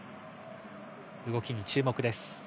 動きに注目です。